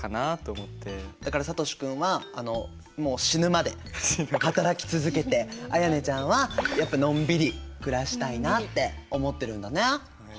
だからさとし君はもう死ぬまで働き続けて絢音ちゃんはやっぱのんびり暮らしたいなって思ってるんだね。